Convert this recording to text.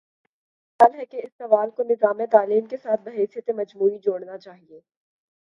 میرا خیال ہے کہ اس سوال کو نظام تعلیم کے ساتھ بحیثیت مجموعی جوڑنا چاہیے۔